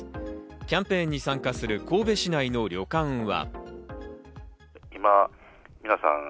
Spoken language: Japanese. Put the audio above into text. キャンペーンに参加する神戸市内の旅館は。